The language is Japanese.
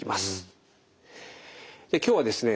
今日はですね